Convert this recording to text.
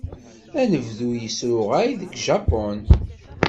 Anebdu yesruɣay deg Japun.